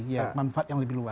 ya manfaat yang lebih luas